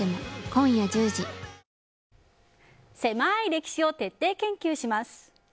歴史を徹底研究します。